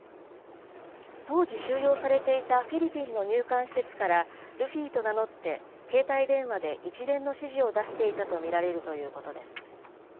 当時収容されていたフィリピンの入管施設から、ルフィと名乗って携帯電話で一連の指示を出していたと見られるということです。